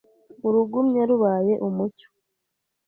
Urugumye rubaye umucyo